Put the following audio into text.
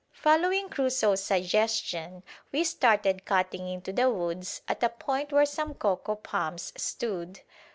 Following Crusoe's suggestion, we started cutting into the woods at a point where some cocoa palms stood.